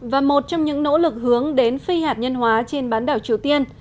và một trong những nỗ lực hướng đến phi hạt nhân hóa trên bán đảo triều tiên